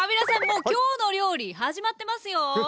もう「きょうの料理」始まってますよ。え！